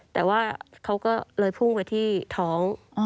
แต่ว่าเขาก็เลยพุ่งไปที่ท้อง